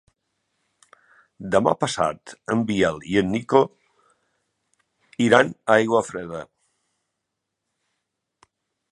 Demà passat en Biel i en Nico iran a Aiguafreda.